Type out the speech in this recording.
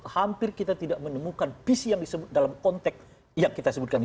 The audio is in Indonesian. hampir kita tidak menemukan visi yang disebut dalam konteks yang kita sebutkan tadi